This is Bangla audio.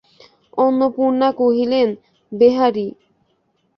অন্নপূর্ণা কহিলেন, বেহারী!